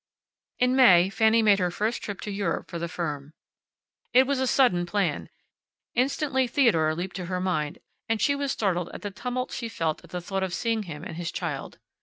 In May Fanny made her first trip to Europe for the firm. It was a sudden plan. Instantly Theodore leaped to her mind and she was startled at the tumult she felt at the thought of seeing him and his child.